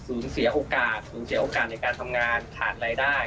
เสียโอกาสสูญเสียโอกาสในการทำงานขาดรายได้